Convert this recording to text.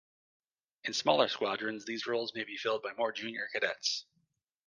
In smaller squadrons, these roles may be filled by more junior cadets.